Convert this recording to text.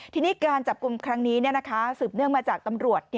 ทีนี้การจับกลุ่มครั้งนี้สืบเนื่องมาจากตำรวจ